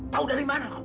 tahu dari mana kau